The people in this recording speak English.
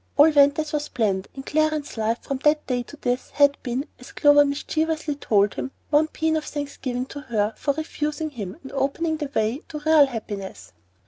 All went as was planned, and Clarence's life from that day to this had been, as Clover mischievously told him, one pæan of thanksgiving to her for refusing him and opening the way to real happiness.